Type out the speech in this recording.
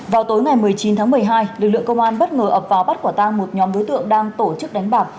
vào tối ngày một mươi chín tháng một mươi hai lực lượng công an bất ngờ ập vào bắt quả tang một nhóm đối tượng đang tổ chức đánh bạc